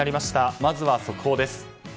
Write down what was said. まずは速報です。